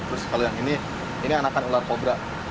terus kalau yang ini ini anakan ular kobra